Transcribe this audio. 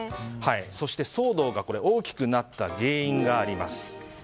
そして、騒動が大きくなった原因があります。